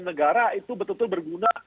negara itu betul betul berguna